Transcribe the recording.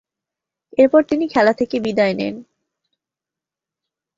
এরপর তিনি খেলা থেকে বিদায় নেন।